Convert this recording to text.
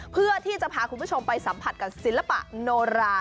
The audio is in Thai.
เพื่อที่จะพาคุณผู้ชมไปสัมผัสกับศิลปะโนรา